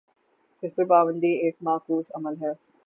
اس پر پابندی ایک معکوس عمل ہے۔